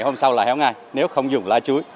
hôm sau là héo ngay nếu không dùng lá chuối